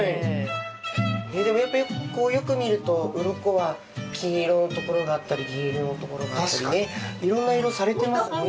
こうよく見ると鱗は金色のところがあったり銀色のところがあったりねいろんな色されてますね。